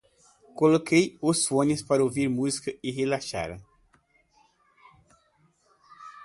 Coloquei os phones para ouvir música e relaxar.